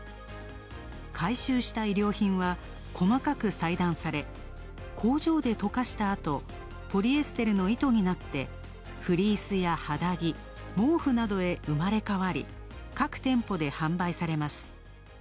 回収した衣料品は細かく裁断され工場で溶かしたあと、ポリエステルの糸になってフリースや肌着、毛布などへ生まれ変わり各店舗で販売されます。